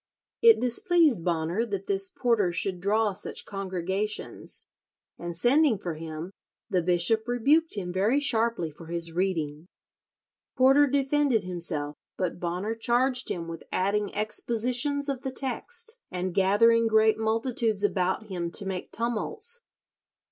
It displeased Bonner that this Porter should draw such congregations, and sending for him, the Bishop rebuked him very sharply for his reading. Porter defended himself, but Bonner charged him with adding expositions of the text, and gathering "great multitudes about him to make tumults."